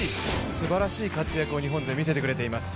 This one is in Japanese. すばらしい活躍を日本勢、見せてくれています。